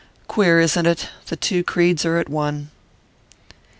Queer, isn't it? The two creeds are at one."